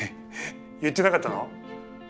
言ってなかったの？